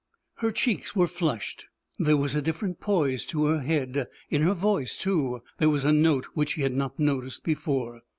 Her cheeks were flushed. There was a different poise to her head; in her voice, too, there was a note which he had not noticed before.